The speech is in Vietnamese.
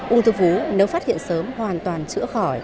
ung thư vú nếu phát hiện sớm hoàn toàn chữa khỏi